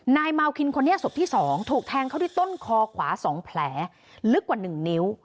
นายเมาคินคนนี้ศพที่๒ถูกแทงเข้าที่ต้นคอขวา๒แผลลึกกว่า๑นิ้ว